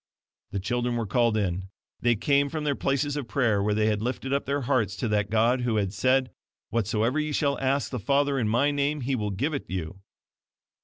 The children were called in. They came from their places of prayer, where they had lifted up their hearts to that God who had said "WHATSOEVER YE SHALL ASK THE FATHER IN MY NAME HE WILL GIVE IT YOU."